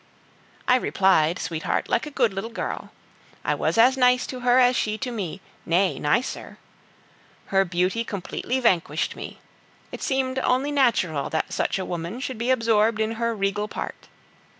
I replied, sweetheart, like a good little girl. I was as nice to her as she to me, nay, nicer. Her beauty completely vanquished me; it seemed only natural that such a woman should be absorbed in her regal part.